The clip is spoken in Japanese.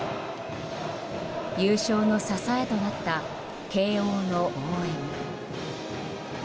優勝の支えとなった慶応の応援。